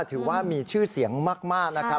ถือว่ามีชื่อเสียงมากนะครับ